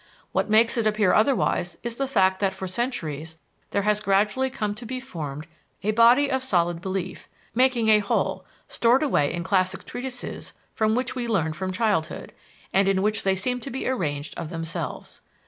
What makes it appear otherwise is the fact that for centuries there has gradually come to be formed a body of solid belief, making a whole, stored away in classic treatises from which we learn from childhood, and in which they seem to be arranged of themselves.